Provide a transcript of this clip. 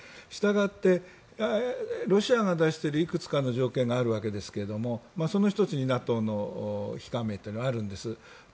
したがって、ロシアが出しているいくつかの条件があるわけですけどその１つにＮＡＴＯの非加盟があるんです。